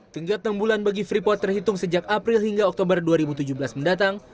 tenggat enam bulan bagi freeport terhitung sejak april hingga oktober dua ribu tujuh belas mendatang